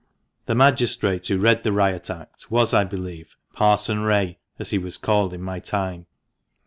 The Magistrate who read the Riot Act was, I believe, Parson Wray, as he was called in my time.